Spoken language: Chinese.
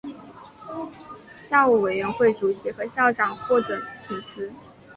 校务委员会主席和校长获准请辞。